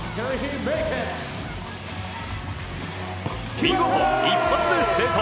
見事一発で成功。